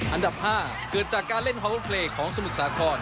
อันดับ๕เกิดจากการเล่นฮอโลเพลย์ของสมุทรสาคร